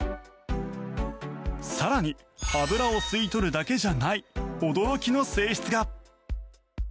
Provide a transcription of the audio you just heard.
更に、油を吸い取るだけじゃない驚きの性質が。